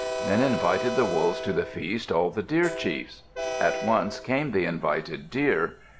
Then invited the Wolves to the feast all the Deer chiefs. At once came the invited Deer.